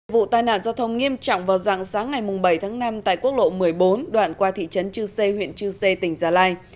vụ tai nạn giao thông nghiêm trọng vào dạng sáng ngày bảy tháng năm tại quốc lộ một mươi bốn đoạn qua thị trấn chư sê huyện chư sê tỉnh gia lai